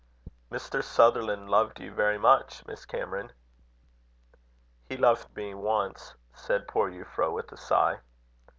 "Mr. Sutherland loved you very much, Miss Cameron." "He loved me once," said poor Euphra, with a sigh.